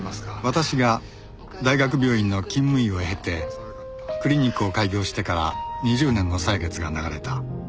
私が大学病院の勤務医を経てクリニックを開業してから２０年の歳月が流れた